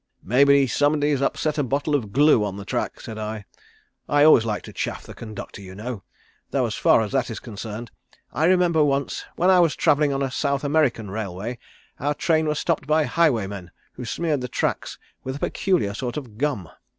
"'Maybe somebody's upset a bottle of glue on the track,' said I. I always like to chaff the conductor, you know, though as far as that is concerned, I remember once when I was travelling on a South American Railway our train was stopped by highwaymen, who smeared the tracks with a peculiar sort of gum.